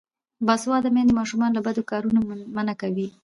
باسواده میندې ماشومان له بدو کارونو منع کوي.